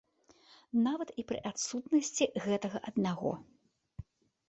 Нават і пры адсутнасці гэтага аднаго.